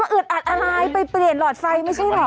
อึดอัดอะไรไปเปลี่ยนหลอดไฟไม่ใช่เหรอ